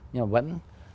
nhưng mà vẫn